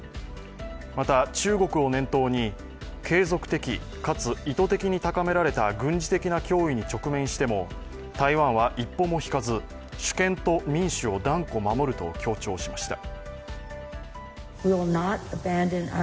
また、中国を念頭に継続的かつ、意図的に高められた軍事的な脅威に直面しても台湾は一歩も引かず主権と民主を断固守ると強調しました。